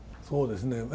そうですね。